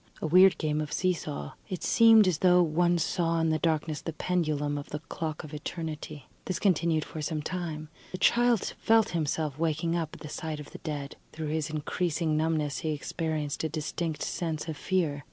A weird game of see saw. It seemed as though one saw in the darkness the pendulum of the clock of Eternity. This continued for some time. The child felt himself waking up at the sight of the dead; through his increasing numbness he experienced a distinct sense of fear.